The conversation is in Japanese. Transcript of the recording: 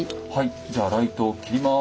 じゃあライトを切ります。